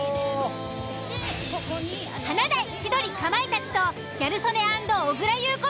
華大千鳥かまいたちとギャル曽根＆小倉優子